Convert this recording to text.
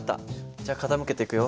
じゃ傾けていくよ。